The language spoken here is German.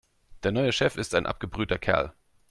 Der neue Chef ist ein abgebrühter Kerl.